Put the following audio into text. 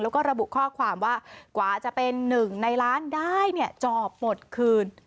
แล้วก็ระบุข้อความว่ากว่าจะเป็นหนึ่งในล้านได้เนี่ยจอบหมดคืน